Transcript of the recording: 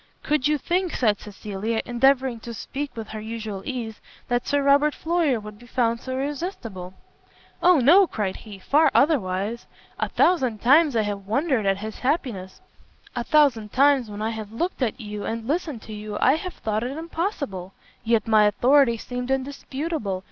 "Could you think," said Cecilia, endeavouring to speak with her usual ease, "that Sir Robert Floyer would be found so irresistible?" "Oh no!" cried he, "far otherwise; a thousand times I have wondered at his happiness; a thousand times, when I have looked at you, and listened to you, I have thought it impossible! yet my authority seemed indisputable.